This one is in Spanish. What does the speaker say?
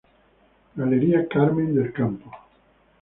Galería Carmen del Campo.